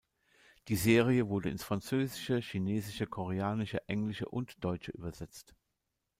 Die Serie wurde ins Französische, Chinesische, Koreanische, Englische und Deutsche übersetzt.